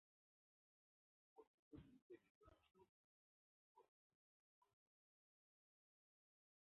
Posteriormente emigró hacia Uruguay con nuevos rumbos y horizontes.